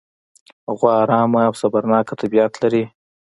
غوا ارامه او صبرناکه طبیعت لري.